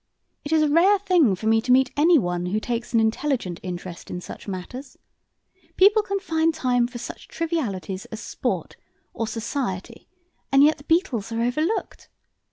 "It is a rare thing for me to meet anyone who takes an intelligent interest in such matters. People can find time for such trivialities as sport or society, and yet the beetles are overlooked.